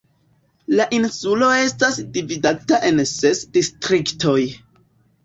La insulo estas dividata en ses distriktoj.